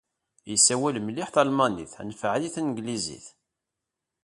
Yessawal mliḥ talmanit, anef ɛad a tanglizit.